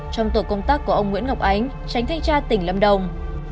trong tổ công tác của ông nguyễn ngọc ánh tránh thanh tra tỉnh lâm đồng